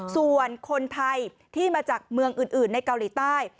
ส่วนคนไทยที่มาจากเมืองอื่นในเกาหลีใต้